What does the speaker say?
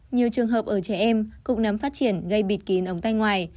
nhiều trường hợp ở trẻ em cục nấm phát triển gây bịt kín ống tay ngoài